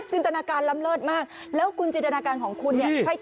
ตนาการล้ำเลิศมากแล้วคุณจินตนาการของคุณเนี่ย